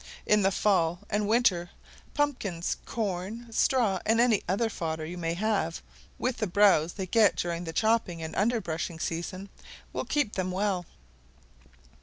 In the fall and winter, pumpkins, corn, straw, and any other fodder you may have, with the browse they get during the chopping and underbrushing season, will keep them well.